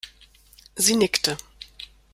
Sie nickte.